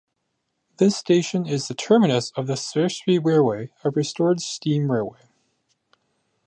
This station is the terminus of the Strathspey Railway, a restored steam railway.